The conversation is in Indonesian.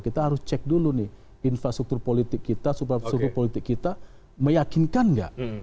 kita harus cek dulu nih infrastruktur politik kita survei politik kita meyakinkan nggak